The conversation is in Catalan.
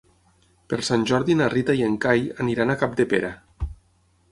Per Sant Jordi na Rita i en Cai aniran a Capdepera.